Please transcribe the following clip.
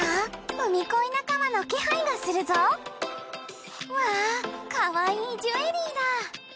ウミコイ仲間の気配がするぞ。わかわいいジュエリーだ！